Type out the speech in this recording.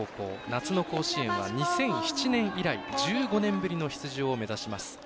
夏の甲子園は２００７年以来１５年ぶりの出場を目指します。